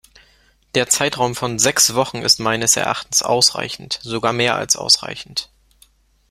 Der Zeitraum von sechs Wochen ist meines Erachtens ausreichend, sogar mehr als ausreichend.